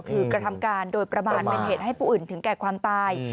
คือกระทำการโดยประมาณเป็นเหตุให้ผู้อื่นถึงแก่ความตาย